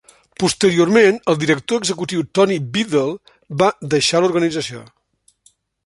Posteriorment, el director executiu Tony Beadle va deixar l'organització.